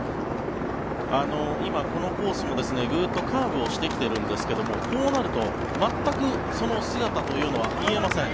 今、このコースもぐっとカーブをしてきていますがこうなると、全くその姿は見えません。